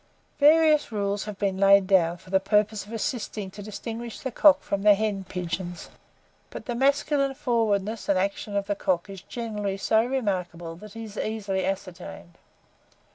Various rules have been laid down for the purpose of assisting to distinguish the cock from the hen pigeon; but the masculine forwardness and action of the cock is generally so remarkable, that he is easily ascertained.